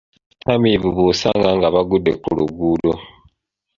Abatamiivu b’osanga nga bagudde ku luguudo.